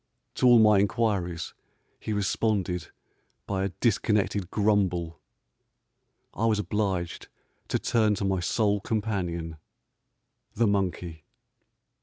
To all my inquiries he responded by a dis connected grumble. I was obliged to turn to my sole companion, the monkey.